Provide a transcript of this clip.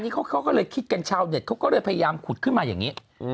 เขาก็เลยคิดกันชาวเน็ตเขาก็เลยพยายามขุดขึ้นมาอย่างนี้